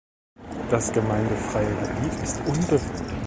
Das gemeindefreie Gebiet ist unbewohnt.